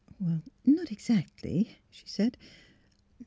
" Not exactly," she said.